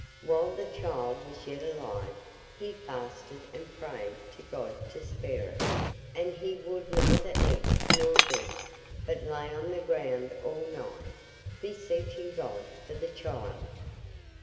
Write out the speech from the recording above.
While the child was yet alive he fasted and prayed to God to spare it, and he would neither eat nor drink, but lay on the ground all night, beseeching God for the child.